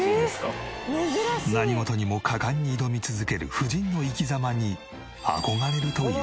何事にも果敢に挑み続ける夫人の生き様に憧れるという。